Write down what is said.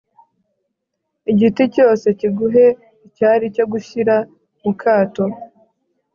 igiti cyose kiguhe icyari cyo gushyira mu kato